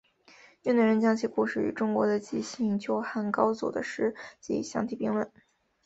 越南人将其故事与中国的纪信救汉高祖的事迹相提并论。